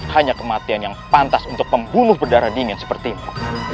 hanya kematian yang pantas untuk pembunuh berdarah dingin sepertimu